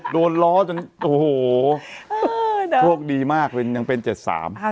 โดนล้อจนโอ้โหโชคดีมากเป็นยังเป็นเจ็ดสาม